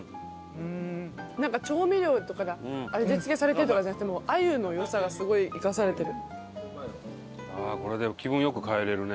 なんか調味料とかで味付けされてるとかじゃなくて鮎の良さがすごい生かされてる。